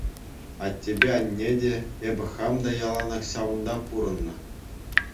Аттепе анне те, эпӗ хам та яланах ҫавӑнта пурӑннӑ...